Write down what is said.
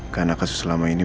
karena kasus selama ini